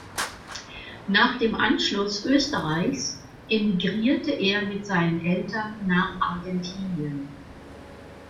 Nach dem Anschluss Österreichs emigrierte er mit seinen Eltern nach Argentinien.